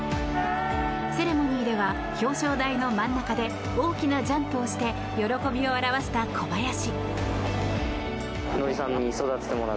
セレモニーでは表彰台の真ん中で大きなジャンプをして喜びを表した小林。